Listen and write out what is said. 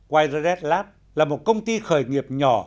wireless lab là một công ty khởi nghiệp nhỏ